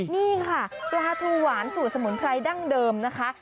นี่ค่ะปลาทูหวานสูตรสมุนไพรดั้งเดิมนะคะ